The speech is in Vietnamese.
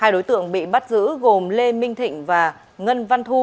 hai đối tượng bị bắt giữ gồm lê minh thịnh và ngân văn thu